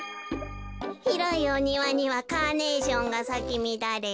「ひろいおにわにはカーネーションがさきみだれ」。